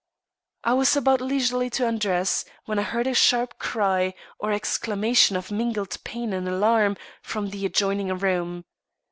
I was about leisurely to undress, when I heard a sharp cry, or exclamation of mingled pain and alarm, from the adjoining room.